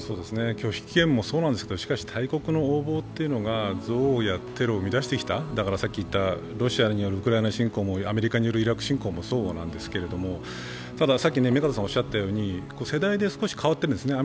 拒否権もそうなんですけど、しかし大国の横暴というのが憎悪やテロを生み出してきた、ロシアによるウクライナ侵攻も、アメリカによるイラク侵攻もそうなんですけどたださっき目加田さんがおっしゃったように世代によって変わっているんですよね。